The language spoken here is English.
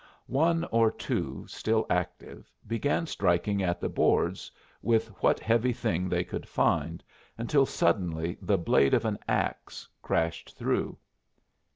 One or two, still active, began striking at the boards with what heavy thing they could find, until suddenly the blade of an axe crashed through.